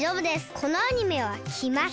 このアニメはきます。